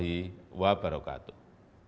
wassalamu'alaikum warahmatullahi wabarakatuh